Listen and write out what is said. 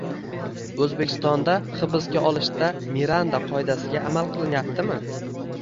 O‘zbekistonda hibsga olishda Miranda qoidasiga amal qilinyaptimi?